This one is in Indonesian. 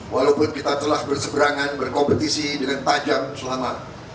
walaupun kita telah berseberangan berkompetisi dengan tajam selama